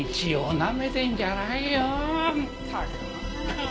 ったく。